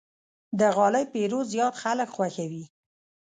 د غالۍ پېرود زیات خلک خوښوي.